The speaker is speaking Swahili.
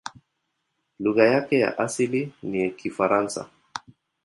Lugha yake ya asili ni Kifaransa.